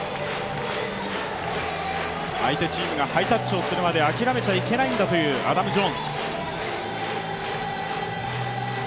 相手チームがハイタッチするまで諦めちゃいけないんだというアダム・ジョーンズ。